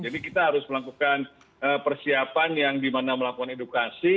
jadi kita harus melakukan persiapan yang di mana melakukan edukasi